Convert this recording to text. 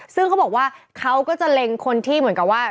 ซึ่งเขาบอกว่าเขาก็จะเล็งคนที่เหมือนกับว่า